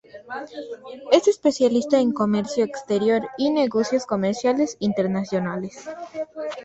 Es especialista en comercio exterior y negociaciones comerciales internacionales.